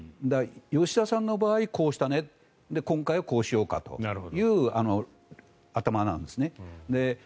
吉田さんの場合、こうしたね今回はこうしようかという頭なんですね。